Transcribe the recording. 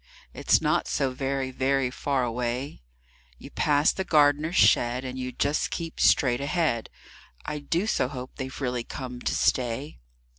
It's not so very, very far away; You pass the gardner's shed and you just keep straight ahead I do so hope they've really come to stay.